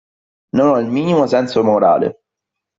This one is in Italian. Non ho il minimo senso morale.